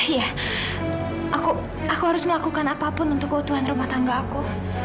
iya aku harus melakukan apapun untuk keutuhan rumah tangga aku